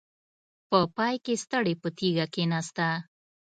په پای کې ستړې په تيږه کېناسته.